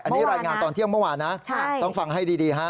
อันนี้รายงานตอนเที่ยงเมื่อวานนะต้องฟังให้ดีฮะ